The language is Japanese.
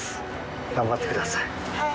頑張ってください。